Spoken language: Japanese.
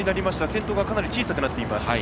先頭がかなり小さくなっています。